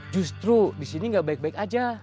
justru di sini gak baik baik aja